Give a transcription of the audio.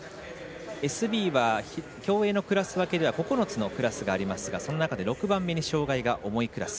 ＳＢは競泳のクラス分けでは９つに分かれていますがその中で６番目に障がいが重いクラス。